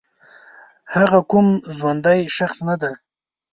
هغه کوم ژوندی شخص نه دی